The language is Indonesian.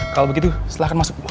kalau begitu silahkan masuk